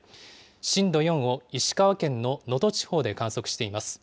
震度４を石川県の能登地方で観測しています。